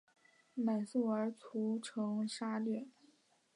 满速儿遂屠城杀掠。